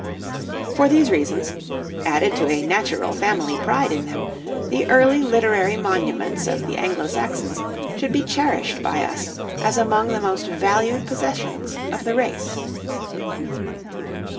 For these reasons, added to a natural family pride in them, the early literary monuments of the Anglo Saxons should be cherished by us as among the most valued possessions of the race.